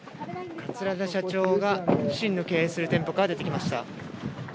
桂田社長が、自身の経営する店舗から出てきました。